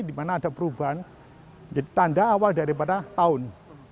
dimana ada perubahan jadi tanda awal daripada tahun